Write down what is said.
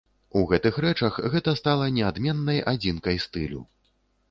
У гэтых рэчах гэта стала неадменнай адзнакай стылю.